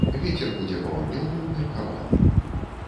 Вецер будзе паўднёвы ўмеркаваны.